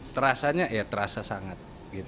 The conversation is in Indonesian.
terasanya ya terasa sangat